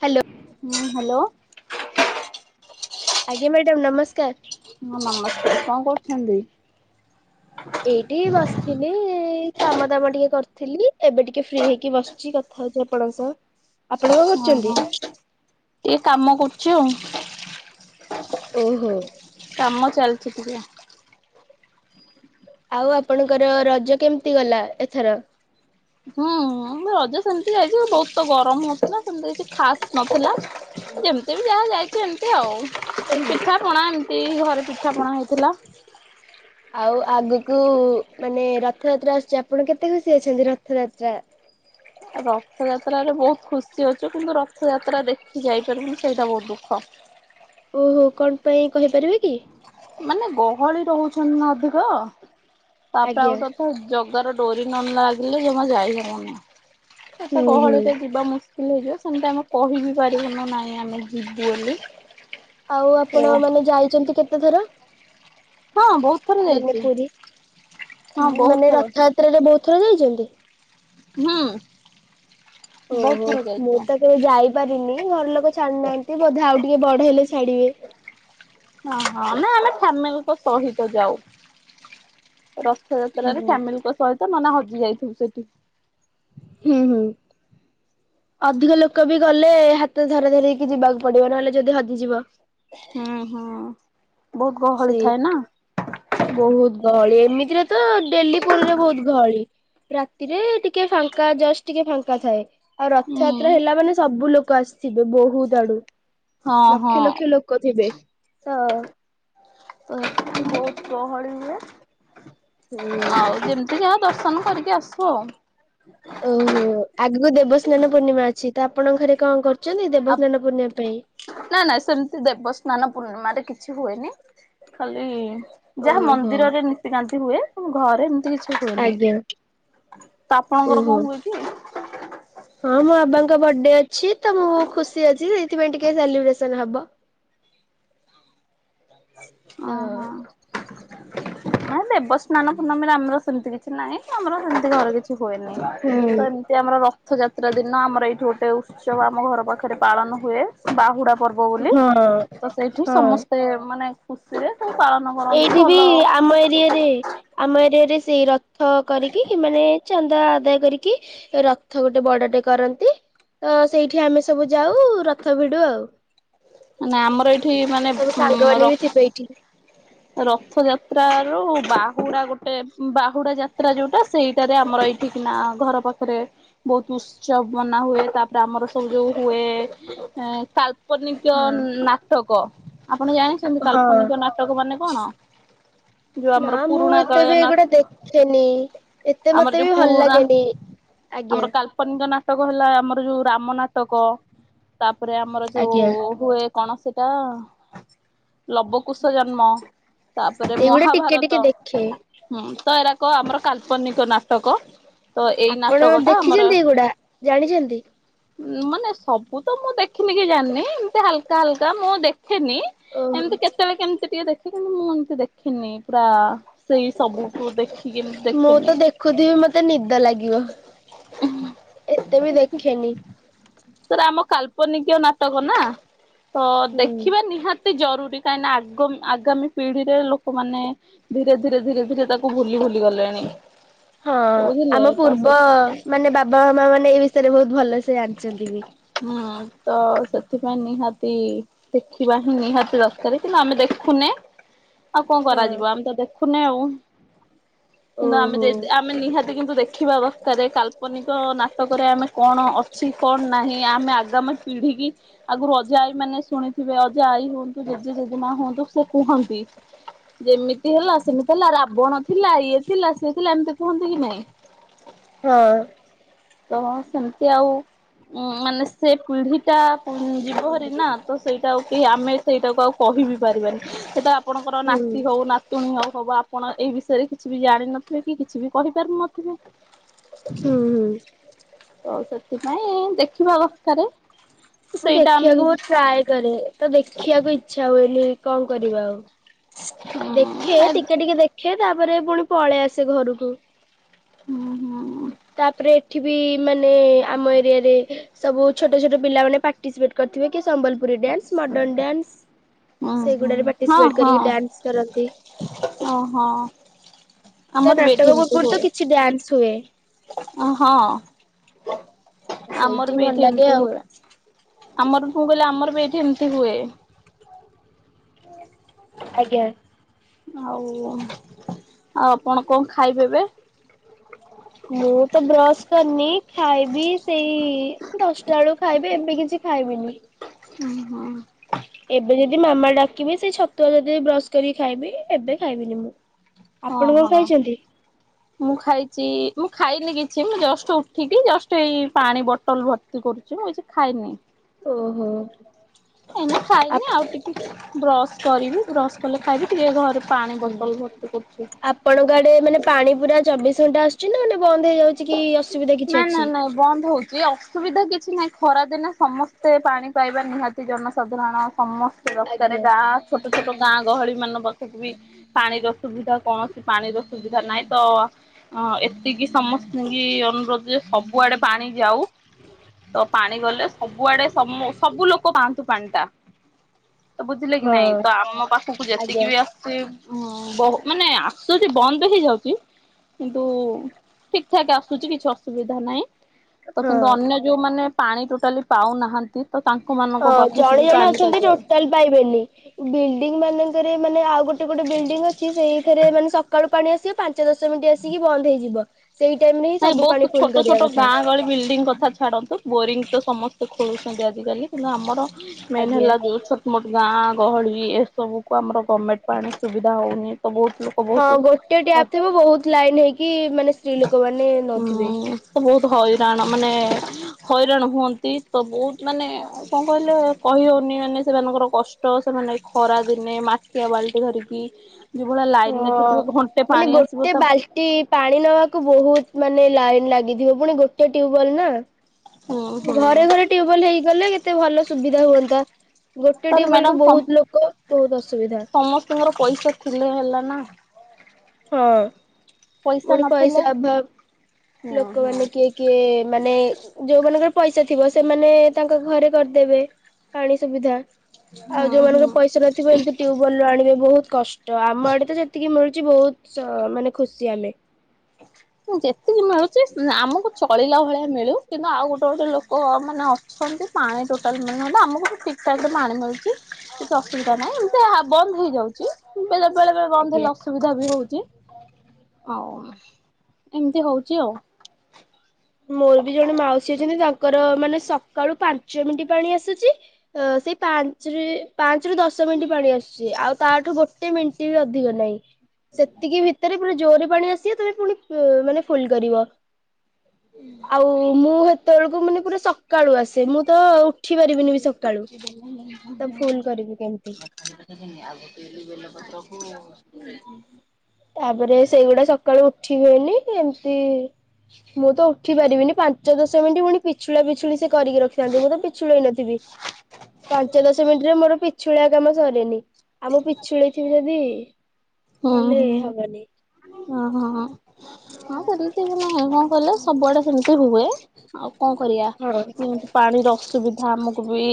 Hello. Hello. ଆଜ୍ଞା madam ନମସ୍କାର। ହଁ ନମସ୍କାର କଣ କରହୁଛନ୍ତି? ଏଇଠି ବସିଥିଲି କାମ ଦାମ ଟିକେ କରିଥିଲି ଏବେ ଟିକେ ଫ୍ରି ହେଇକି ବସିଥିଲି କିଛି କଥା ହଉଚି ଆପଣ ଙ୍କ ସହ। ଆପଣ କଣ କରୁଛନ୍ତି? ଓହୋ ଟିକେ କାମ କରୁଛି ଆଉ। ଓହୋ। କାମ ଚାଲିଛି ଟିକେ। ଆଉ ଆପଣଙ୍କର ରଜ କେମିତି ଗଲା ଏଥର? ହୁଁ ରଜ ସେମିତି ହେଇଛି ବହୁତ ଗରମ ହଉଥିଲା ସେମତି କିଛି ଖାସ ନଥିଲା। ଯେମିତି ବି ଯାହା ଯାଇଛି ଏମତି ଆଉ ପିଠା ପଣା ଏମିତି ଘରେ ପିଠାପଣା ହେଇଥିଲା। ଆଉ ଆଗକୁ ମାନେ ରଥଯାତ୍ରା ଆସୁଛି ଆପଣ କେତେ ଖୁସି ଅଛନ୍ତି? ରଥଯାତ୍ରା ରଥଯାତ୍ରରେ ବହୁତ ଖୁସି ଅଛୁ କିନ୍ତୁ ରଥଯାତ୍ରା ଦେଖି ଯାଇପାରୁନୁ ସେଇଟା ବହୁତ ଦୁଃଖ। ଓହୋ କଣ ପାଇଁ କହିପାରିବେ କି? ମାନେ ଗହଳି ରହୁଛନ୍ତି ନା ଅଧିକ ତାପରେ ଆଜ୍ଞା ଆଉ ଜଗାର ଡୋରି ନ ଲାଗିଲେ ଜମା ଯାଇହବନି ହୁଁ ଏତେ ହୁଁ ଗହଳିରେ ଯିବା ମୁଁ ଭୁଲ ହେଇଯିବ ସେମିତି ଆମେ କହି ବି ପାରିବୁନି ନାଇଁ ଆମେ ଯିବୁ ବୋଲି। ଆଉ ଓ ଆପଣ ମାନେ ଯାଇଛନ୍ତି କେତେଥର? ହଁ ବହୁତ। ଥର ମାନେ ଯାଇଛି ପୁରୀ ହଁ ବହୁତ ମାନେ ଥର ରଥଯାତ୍ରାରେ ବହୁତ ଥର ଯାଇଛନ୍ତି! ହୁଁ ବହୁତ ଓହୋ ଥର ମୁଁ ଯାଇଛୁ ତ କେବେ ଯାଇପାରିନି ଘର ଲୋକ ଛାଡୁନାହାନ୍ତି ବୋଧେ ଆଉ ଟିକେ ବଡ ହେଲେ ଛାଡିବେ। ହଁ ହଁ ନା ଆମେ ଫ୍ୟାମିଲିଙ୍କ ସହିତ ଯାଉ--! ହୁଁ ରଥଯାତ୍ରାରେ ଫ୍ୟାମିଲିଙ୍କ ସହିତ ନନା ହଜି ଯାଇଥିଲେ ସେଠି। ହୁଁ ହୁଁ ଅଧିକ ଲୋକ ବି ଗଲେ ହାତ ଧରା ଧରିିହେଇ କି ଯିବାକୁ ପଡିବ ନହେଲେ ଯଦି ହଜିଯିବ। ହୁଁ ହୁଁ ବହୁତ ଗହଳି ସେଇ ଥାଏ ନା! ବହୁତ ଗହଳି ଏମିତିରେ ତ ଡେଲି ପୁରୀରେ ବହୁତ ଗହଳିରାତି, ରେ ଟିକେ ଫାଙ୍କା ଜଷ୍ଟ ଟିକେ ଫାଙ୍କା ଥାଏ। ଆଉ ହୁଁ ରଥଯାତ୍ରା ହେଲା ମାନେ ସବୁ ଲୋକ ଆସିଥିବେ ବହୁତ ଆଡୁ। ହଁ ହଁ ଲକ୍ଷ ଲକ୍ଷ ଲୋକ ଥିବେ ତ ତ ସେଥିକି ବହୁତ ଗହଳି ହୁଏ ହୁଁ। ଆଉ ଯେମିତି ଯାହା ଦର୍ଶନ କରିକି ଆସୁ ଆଉ। ଓହୋ ଆଗକୁ ଦେବସ୍ନାନ ପୂର୍ଣ୍ଣିମା ଅଛି ତ ଆପଣଙ୍କ ଘରେ କଣ କରୁଛନ୍ତି ଦେବସ୍ନାନ ପୂର୍ଣ୍ଣିମା ପାଇଁ? ନାନା ସେମିତି ଦେବସ୍ନାନ ପୂର୍ଣ୍ଣିମାରେ କିଛି ହୁଏନି ଖାଲି, ଯାହା ଓହୋ ମନ୍ଦିରରେ ନିନ୍ତିକାନ୍ତି ହୁଏ ତ ଘରେ ଏମିତି କିଛି। କିଛି ହୁଏନି ଆଜ୍ଞା ତ ଆପଣଙ୍କର ଓହୋ କଣ ହୁଏ? କି? ହଁ ମୋ ବାବାଙ୍କ ବାର୍ଥଡେ ଅଛିତ ମୁଁ ଖୁସି ଅଛି ସେଇଥିପାଇଁ ଟିକେ ସେଲିବ୍ରେସନ ହବ। ତ। ନାଇଁଦେବସ୍ନାନ ପୂର୍ଣମୀ ରେ ଆମର ସେମିତି କିଛି ନାହିଁ ଆମର ସେମିତି ଘର କିଛି ହୁଏନିଁ ହଁ ତଏ ମି ଏଠି ଆମର ରଥଯାତ୍ରା ଦିନଆମର ଏଇଠି ଗୋଟେ ଉତ୍ସବ ଆମ ଘର ପାଖରେ ପାଳନ ହୁଏ। ବାହୁଡା ପର୍ବ ବୋଲି, ତ ସେଇଠି ହଁ ସମସ୍ତେ ମାନେ ଖୁସିରେ ସବୁ ପାଳନ କରନ୍ତି ଏଇଠି ବି ଭଲ ଆମ ଏରିଆରେ ଆମ ଏରିଆ ରେ ସେଇ ରଥ କରିକିମାନେ ଚାନ୍ଦା ଆଦାୟ କରିକି--! କି ରଥ ଗୋଟେ ବଡଟେ କରନ୍ତି। ତ ସେଇଠି ଆମେ ସବୁ ଯାଉ ରଥ ଭିଡୁ ଆଉ। ମାନେ ଆମର ଏଇଠି ମାନେ ସବୁ ସାଙ୍ଗମାନେ ବି ଥିବେ ଏଇଠି। ରଥ ଯାତ୍ର ରୁ ବାହୁଡା ଗୋଟେ ବାହୁଡା ଯାତ୍ରା ଯୋଉଟା। ସେଇଟାରେ ଆମର ଏଇଠିକିନା ଘର ପାଖରେସେ! ବହୁତ ଉତ୍ସବ ମନା ହୁଏ ତାପରେ ଆମର ସବୁ ଯୋଉ ହୁଏ କାଲ କାଳ୍ପନିକ ହଁ ନାଟକ ଆପଣ ଜାଣିଛନ୍ତି ହଁ। କାଳ୍ପନିକ ନାଟକ ମାନେ କଣ? ଯୋଉ ନା ଆମର ମୁଁ ପୁରୁଣା ଏତେ କାଳିଆ ବି ନା ଇଗୋଡ଼ା ଦେଖେନିଏତେ ଆମର ମତେ ଯୋଉ ବି ଭଲ ପୁରୁଣା ଲାଗେନି। ଆଜ୍ଞା। ଆମର କାଳ୍ପନିକ ନାଟକ ହେଲାଆମର ଯୋଉ ରାମ ନାଟକ ତାପରେ ଆମର ଯୋଉ ଆଜ୍ଞା ହୁଏ। କଣ ସେଟା ଲବକୁଶ ଜନ୍ମ? ତାପରେ ଏଇଗୁଡା ଟିକେ ଟିକେ ମହାଭାରତ ଦେଖେ ହୁଁ, ତ ଏରାକ ଆମର କାଳ୍ପନିକ ନାଟକ। ତ ଏଇ ଆପଣ ନାଟକ ଟା ଆମର। ଦେଖିଛନ୍ତି ଏଇଗୁଡା ଜାଣିଛନ୍ତି? ମାନେ ସବୁ ତ ମୁଁ ଦେଖିନି କି ଜାଣିନି, ଏମିତି ହାଲକା ହାଲକା ମୁଁ ଦେଖେନି। ଓହୋ ଏମିତି କେତେବେଳେ କେମିତି ଟିକେ ଦେଖେ। ମୁଁ ଏମିତି ଦେଖିନି ପୁରା ସେଇ ସବୁକୁୁ ଦେଖି। ମୁଁ ତ ଦେଖୁଥିବି ମତେ ନିଦ ଲାଗିବ, ଏତେ ବି ଦେଖେନି। ସେଟା ଆମ କାଳ୍ପନିକୀୟ ନାଟକ ନା ତ ହୁଁ। ଦେଖିବା ନିହାତି ଜରୁରୀ କାହିଁକି ଆ ଆଗାମୀ ପିଢିରେ ଲୋକମାନେ ଧୀରେ ଧୀରେ ଧୀରେ ଧୀରେ ତା ଭୁଲି ଭୁଲି ଗଲେଣି ହଁ ତ ବୁଝିଲେ, ଆମ ତ ପୂର୍ବ ସେ ମାନେ ବାବା ମା ମାନେ ଏ ବିଷୟରେ ବହୁତ ଭଲ ସେ ଜାଣିଛନ୍ତି ବି। ହୁଁ ତ ସେଥିପାଇଁ ନିହାତି ଦେଖିବା ହିଁ ନିହାତି ଦରକାର କିନ୍ତୁ ଆମେ ଦେଖୁନେ ଆଉ କଣ ହଁ କରାଯିବ! ଆମେ ତ ଦେଖୁନି ଆଉ କିନ୍ତୁ ଆମେ ଓହୋ ଯଦ ଆମେ ନିହାତି କିନ୍ତୁ ଦେଖିବା ଅବସ୍ଥାରେ କାଲ୍ପନିକ ନାଟକରେ ଆମେ କଣ ସେ କଣ ନାହିଁ ଆମେ ଆଗାମୀ ପିଢ କି ଆଗରୁ ଅଜେ ଆଈ ମାନେ ଶୁଣିଥିବେ, ଅଜେ ଆଈ ହୁଅନ୍ତୁ ଜେଜେ ଜେଜେମା ହୁଅନ୍ତୁ ସେ କୁହନ୍ତି। ଯେମିତି ହେଲା ସେମିତି ହେଲା ରାବଣ ଥିଲା ଇଏ ଥିଲା ସିଏ ଥିଲା, ଏମିତି କୁହନ୍ତି କି ନାଇଁ? ହଁ। ତ ସେମିତି ଆଉ ଉ ମାନେ ସେ ପିଢି ଟା ଜୀବହରେ ନା ହୁଁ ତ ସେଇଟାକୁ କି ଆମେ ସେଇଟାକୁ ଆଉ କ କହିିବି ପାରିବାନି ସେଇଟା ଆପଣଙ୍କର ହୁଁ ନାତି ହଉ ନା ତୁଣି ହବ ଆପଣ ଏଇ ବିଷୟରେ କିଛି ବି ଜାଣିନଥିବେ କି କିଛି ବି କହିପାରୁ ନଥିବେ? ହୁଁ ହୁଁ। ତ ସେଥିପାଇଁ ଦେଖିବା ଅବସ୍ଥାରେ ମୁଁ ଦେଖିବାକୁ ବହୁ ଟ୍ରାଏ କରେ, ତ ଦେଖିବାକୁ ଇଛା ହୁଏନି କଣ କରିବା ଆଉ, ହୁଁ ଦେଖେ ହୁଁ ଟିକେ ଟିକେ ଦେଖ ଆଖେ ତାପରେ ପୁଣି ପଳେଇ ଆସେ ଘରକୁ। ହୁଁ ହୁଁ। ତାପରେ ଏଠି ବି ମାନେ ଆମ ଏରିଆରେ ସବୁ ଛୋଟ ଛୋଟ ପିଲାମାନେ ପାର୍ଟିସିପେଟ କରିଥିବେ କି! ସମ୍ବଲପୁରୀ ଡ୍ୟାନ୍ସ, ମଡର୍ଣ ଡ୍ୟାନ୍ସ ହୁଁ ହୁଁ ସେଗୁଡାରେ ହଁ ପାର୍ଟିସିପେଟ ହଁ କରିକି ଡ୍ୟାନ୍ସ କରନ୍ତି। ଓହୋ ତ ଆମର ବି ନାଟକ ପୂର୍ବରୁ ତ କିଛି ଡ୍ୟାନ୍ସ ହୁଏ। ଓ ହଁ ଆମର ସେଇଠି ବି ଭଲ ଏଇଠି ଲାଗେ ଏମିତି ଆଉ ହୁଏ। ଆମର ପୁ କହିଲେ ଆମର ବି ଏଇଠି ଏମିତି ହୁଏ। ଆଜ୍ଞା। ଆଉ ଆଉ ଆପଣ କଣ ଖାଇବେ ଏବେ। ମୁଁ ତ ବ୍ରଶ କରିନି ଖାଇବି ସେଇ ଦଶ ଟା ବେଳୁ ଖାଇବି ଏବେ କିଛି ଖାଇବିନି। ଉହୁଁ। ଏବେ ଯଦି ମାମା ଡାକିବେ ସେଇ ଛତୁଆ ଯଦି ବ୍ରଶ କରିକି ଖାଇବି ଏବେ ଖାଇବିନି ମୁଁ। ହଁ ଆପଣ କଣ ହଁ। ଖାଇଛନ୍ତି ମୁଁ ଖାଇଛି ମୁଁ ଖାଇନି କିଛି ମୁଁ ଜଷ୍ଟ ଉଠିକି ଜଷ୍ଟ ଏଇ ପାଣି ବୋଟଲ ଭର୍ତ୍ତି ତି କରୁଛି ଅହିସା ଖାଇନି। ଓହୋ। ଏଇନା ଖାଇନି ଆଉ ଟିକେ ବ୍ରସ କରିବି ବ୍ର ଗଲେ ଖାଇବି ଟିକେ ଘରେ ପାଣି ବୋତଲ ଭର୍ତ୍ତି କରୁଛି ଆପଣଙ୍କଆଡେ ମାନେ ପାଣି ପୁରା ଚବିଶ ଘଣ୍ଟା ଆସୁଛି ନା ମାନେ ବନ୍ଦ ହେଇଯାଉଛି କି ଅସୁବିଧା ନା କିଛି ନା ଅଛି। ନାଇଁ ବନ୍ଦ ହଉଛି ଅସୁବିଧା କିଛି ନାହିଁ ଖରାଦିନେ ସମସ୍ତେ ପାଣି ପାଇବା ନିହାତି ଜନସାଧାରଣ ସମସ୍ତେ ଦରକାରେ ଆଜ୍ଞା ଗାଁ ଛୋଟ ଛୋଟ ଗାଁ ଗହଳି ମାନ ପାଖକୁ ବି ପାଣିର ସୁବିଧା କୌଣସି ପାଣିର ସୁବିଧା ନାହିଁ ତ ଏତିକି ସମସ୍ତି କି ଅନୁରୋଧ ଯେ ସବୁଆଡେ ପାଣି ଯାଉ ତ ପାଣି ଗଲେ ସବୁଆଡେ ସମ ସବୁ ଲୋକ ପାଆନ୍ତୁ ପାନ୍ ଟା ତ ବୁଝିଲେ କି ହଁ ନାଇଁ ତ ଆମ ପାଖକୁ ଆଜ୍ଞା ଯେତିକି ବି ଆ ସେ ବହୁ ମାନେ ଆସୁଛି ବନ୍ଦ ହେଇଯାଉଛି କିନ୍ତୁ ଠିକ୍ ଠାକ୍ ଆସୁଛି କିଛି ଅସୁବିଧା ନାହିଁ ତ କିନ୍ତୁ ହଁ। ଅନ୍ୟ ଯୋଉମାନେ ପାଣି ଟୋଟାଲି ପାଉନାହାନ୍ତି ତ ତାଙ୍କ ହଁ ମାନଙ୍କ ପାଖକୁ ଜଣେ ବି ଜଣେ ପାଣି ଟା ଅଛନ୍ତି ଯାଉ ଟୋଟାଲ ପାଇବେନି ବିଲ୍ଡିଂ ମାନଙ୍କରେ ମାନେ ଆଉ ଗୋଟେ ଗୋଟେ ବିଲ୍ଡିଙ୍ଗ ଅଛି ସେଇଥିରେ ମାନେ ସକାଳୁ ପାଣି ଆସିବ ପାଞ୍ଚ ଦଶ ମିନିଟ୍ ଆସିକି ବନ୍ଦ ହେଇଯିବ ସେଇ ଟାଇମ୍ ରେ ହିଁ ନାଇଁ ସବୁ ପାଣି ବହୁତ ଫୁଲ ଛୋଟ କରିବା ଛୋଟ କଥା। ଗାଁ ଗହଳି ବିଲ୍ଡିଂ କଥା ଛାଡ଼ ବୋରିଂ ତ ସମସ୍ତେ ଖୋଳୁଛନ୍ତି ଆଜିକାଲି କିନ୍ତୁ ଆମର ମେନ୍ ଆଜ୍ଞା। ହେଲା ଯଉ ବଟ୍ ଗାଁ ଗହଳି ଏସବୁକୁ ଆମର ଗର୍ଣ୍ଣମେଣ୍ଟ ପାଣି ସୁବିଧା ହେଉନି ତ ବହୁତ ଲୋକ ହଁ ଗୋଟିଏ ବହୁତ ଟ୍ୟାପ୍ ଥିବ ବହୁତ ଲାଇନ୍ ହେଇକି ମାନେ ସ୍ତ୍ରୀ ଲୋକ ମାନେ ହୁଁ ତ ବହୁତ ହଇରାଣ ମାନେ ହଇରାଣ ହୁଅନ୍ତି ତ ବହୁତ ମାନେ କଣ କହିଲ କହିହଉନି ମାନେ ସେମାନଙ୍କର କଷ୍ଟ ସେମାନେ ଖରା ଦିନେ ମା ମାଠିଆ ବାଲ୍ଟି ଧରିକି ଯଭଳିଆ ଲାଇନ୍ ନେଟ ଥିବେ ଘଣ୍ଟେ ପାଣି ଆସିବ ତା କି ପାଣି ନବାକୁ ବହୁତ ମାନେ ଲାଇନ୍ ଲାଗିଥିବ ପୁଣି ଗୋଟେ ଟ୍ୟୁବଲ ନା ହୁଁ ହୁଁ ଘରେ ଘରେ ଟ୍ୟୁବଲ ହେଇଗଲେ କେତେ ଭଲ ସୁବିଧା ହୁଅନ୍ତା ଗୋଟେ ତାପରେ ଟ୍ୟୁବଲ ମ୍ୟାଡାମ କୁ ବହୁତ ଲୋକ ବହୁତ ଅସୁବିଧା ତମର ପଇସା ଥିଲେ ହେଲା ନା ହଁ ପୁଣି ପଇସା ଅଭାବ ହୁଁ ହୁଁ ଲୋକମାନେ କିଏ କିଏ ମାନେ ଯୋଉମାନଙ୍କର ପଇସା ଥିବ ସେମାନେ ତାଙ୍କ ଘରେ କରିଦେବେ ପାଣି ସୁବିଧା ଆଉ ହୁଁ ଯୋଉମାନଙ୍କର ହୁଁ ପଇସା ନଥିବ ଏମିତି ଟ୍ୟୁବଲ ରୁ ଆଣିବେ ବହୁତ କଶ୍ ତ ଆମ ଆଡେ ତ ଯେତିକି ମିଳୁଛି ବହୁତ ମାନେ ଖୁସି ଆମେ ଯେତିକି ମିଳୁଛି ଆମକୁ ଚଳିଲା ଭଳିଆ ମିଳୁ କିନ୍ତୁ ଆଉ ଗୋଟେ ଗୋଟେ ଲୋକ ମାନେ ଅଛନ୍ତି ପାଣି ଟୋଟାଲ ମିଳୁନି ଆମକୁ ତ ଠିକ୍ ଠାକ୍ ରେ ପାଣି ମିଳୁଛି କିଛି ଅସୁବିଧା ନାହିଁ ଏମିତି ବନ୍ଦ ହେଇଯାଉଛି ବେଳେ ବେଳେ ବେଳେ ବନ୍ଦ ଆଜ୍ଞା ହେଲେ ଅସୁବିଧା ବି ହଉଛି ଆଉ ଇନ୍ତି ହଉଛି ଆଉ ମୋର ବି ଜଣେ ମାଉସୀ ଅଛନ୍ତି ତାଙ୍କର ମାନେ ସକାଳୁ ପାଞ୍ଚ ମିନିଟ୍ ପାଣି ଆସୁଛି ତ ସେଇ ପାଞ୍ଚ ପାଞ୍ଚରୁ ଦଶ ମିନିଟ୍ ପାଣି ଆସୁଛି ଆଉ ତାଠୁ ଗୋଟେ ମିନିଟ୍ ବି ଅଧିକ ନାହିଁ ସେତିକି ଭିତରେ ପୁରା ଜୋରରେ ପାଣି ଆସିବ ତାେ ପୁଣି ମାନେ ଫୁଲ କରିବ ଆଉ ମୁଁ ହେତେବେଳକୁ ମାନେ ପୁରା ସକାଳୁ ଆସେ ମୁଁ ତ ଉଠି ପାରିବିନି ବି ସକାଳୁ ତ ଫୁଲ୍ କରିବି କେନ୍ତି ଆ ଆଗକୁ ଏ ବେଲପତ୍ରକୁୁଣି ତାପରେ ସେଇଗୁଡା ସକାଳୁ ଉଠି ହୁଏନି ଏମିତି ମୁଁ ତ ଉଠି ପାରିବିନି ପା ଯଦି ସେମିତି ପୁଣି ପିଛଳା ପିଛୁଳି ସେ କରିକି ରଖିଥାନ୍ତି ମୁଁ ତ ପିଛୁଳିଇାଇ ପାଞ୍ଚ ଦଶ ମିନିଟରେ ମୋର ପି ପିଛୁଳିଆ କାମ ସରେନି ଆମ ପିଛୁଳି ଥିବ ଯଦି ତାହେଲେ ହବନି ଓହୋ ହଁ ସେମିତି ନ କଣ କହିଲ ସବୁଆଡେ ସେମିତି ହୁଏ ଆଉ କଣ ହଁ କରିବା ପାଣିର ଅସୁବିଧା ଆମକୁ ବି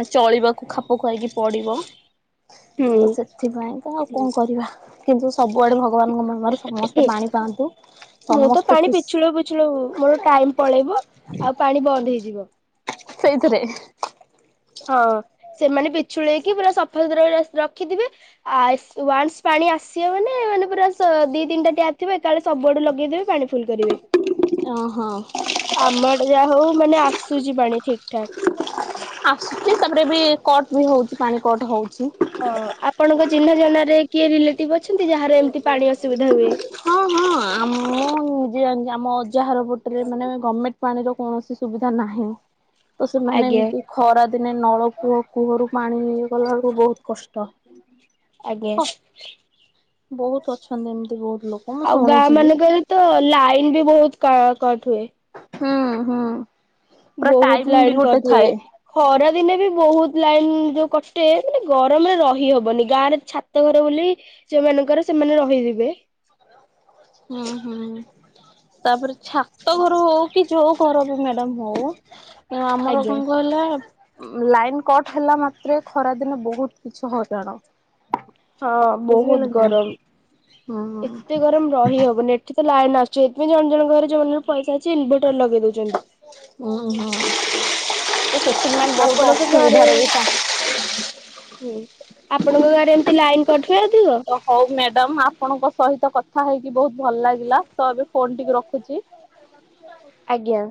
ମେ ଚଳିବାକୁ ଖାପକୁ ଆଇକି ପଡିବ ହୁଁ। ତ ସେଥିପାଇଁକା ଆଉ କଣ କରିବା କିନ୍ତୁ ସବୁଆଡେ ଭଗବାନଙ୍କ ମନ ହୁଁ ହୁଁ ମୁଁ ତ ସମସ୍ତେ ପାଣି ଖୁସି ପିଛୁଳୁ ପିଛୁଳୁ ମୋର ଟାଇମ ପଳେଇବ ଆଉ ପାଣି ବନ୍ଦ ହେଇଯିବ ସେଇଥିରେ ହଁ, ସେମାନେ ବିଛୁଳେଇକି ପୁରା ସଫା ସୁତୁର ଆ ରଖିଥିବେ। ଆ ଇସ ୱାନ୍ସ ପାଣି ଆସିବ ମାନେ, ମାନେ ପୁରା ସ ଦି ତିନିଟା ଟ୍ୟାପ୍ ଥିବ ଏକାଳେ ସବୁଆଡୁ ଲଗେଇଦେବେ ପାଣି। ଫୁଲ କରିବେ। ଓହୋ ଆମଆଡେ ଯାହା ହଉ ମାନେ ଆସୁଛି ପାଣି, ଠିକ ଠାକ। ଆ ଆସୁଛି, ତାପରେ ବି କଟ ବି ହଉଛି ପାଣି କଟ ହଉଛି। ହଁ, ଆପଣଙ୍କ ଚିହ୍ନା ଜନାରେ କିଏ ରିଲେଟିଭ ଅଛନ୍ତି, ଯାହାର ଏମିତି ପାଣି ଅସୁବିଧା ହୁଏ। ଁ [unintelligible] ଆ ମୁଁ ନିଜେ ଜାଣିଛି, ଆମ ଅଜାହର ପଟରେ ମାନେ ଗମେଣ୍ଟ ପାଣିର କୌଣସି ସୁବିଧା ନାହିଁ। ତ ସେମାନେ ଆଜ୍ଞା ଏମତି ଖରା ଦିନେ ନଳକୂଅ, କୂହରୁ ପାଣି ଇଏ କଲା ବେଳକୁ ବହୁତ କଷ୍ଟ। ହ ଆଜ୍ଞା। ବହୁତ ଅଛନ୍ତି, ଏମତି ବହୁତ ଲୋକ। ମୁଁ ଆଉ ଗାଁ ଶୁଣିଛି ବି। ମାନଙ୍କରେ ତ ଲାଇନ ବି ବହୁତ କ କଟ ହୁଏ। ହୁଁ, ହୁଁ। ପୁରା ବହୁତ ଟାଇମ ବି ଲାଇନ ଗୋଟେ କଟ ହୁଏ। ଥାଏ। ଖରାଦିନେ ବି ବହୁତ ଲାଇନ ଯୋଉ କଟେ, ମାନେ ଗରମରେ ରହିହବନି, ଗାଁରେ ଛାତଘର ବୋଲି ସେମାନଙ୍କରେ ସେମାନେ ରହିଯିବେ। ହୁଁ, ହୁଁ ତାପରେ ଛାତ ଘରୁ କି ଯୋଉ ଘର ବି ମ୍ୟାଡାମ ହଉ, ଆମର ଆଜ୍ଞା କଣ କହିଲ? ଲାଇନ କଟ ହେଲା ମାତ୍ରେ ଖରାଦିନେ ବହୁତ କିଛି ହଇରାଣ। ହଁ, ବୁଝିପାରିଲେ ବହୁତ କି ନାଇଁ? ଗରମ, ଏତେ ହୁଁ ଗରମ ରହି ହବନି, ଏଠ ସେଠି ତ ଲାଇନ୍ ଆସୁଛି, ସେଥିପାଇଁ ଜଣ ଜଣ ଘର ଜଉନର ପଇସା ଅଛି, ଇନଭର୍ଟର ଲଗେଇ ଦଉଛନ୍ତି। ହୁଁ, ହୁଁ ସେ ସେଥିପାଇଁ ବହୁତ ଆପଣଙ୍କ ଅସୁବିଧା ରେ ଗାଁରେ ବି କାମ ହୁଁ, ଆପଣଙ୍କ ଗାଁରେ ଏମତି ଲାଇନ କଟି ଯାଉଥିବ। ହଉ ମ୍ୟାଡ଼ାମ ଆପଣଙ୍କ ସହିତ କଥା ହେଇକି ବହୁତ ଭଲ ଲାଗିଲା, ତ ଏବେ ଫୋନ୍ ଟିକେ ରଖୁଛି। ଆଜ୍ଞା।